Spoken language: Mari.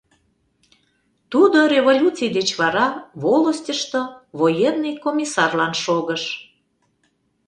Тудо революций деч вара волостьышто военный комиссарлан шогыш.